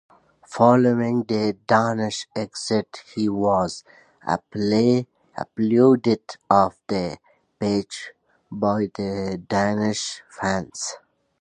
Following the Danish exit he was applauded off the pitch by the Danish fans.